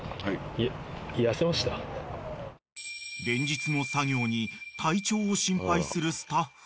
［連日の作業に体調を心配するスタッフ］